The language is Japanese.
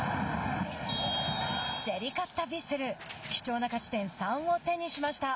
競り勝ったヴィッセル貴重な勝ち点３を手にしました。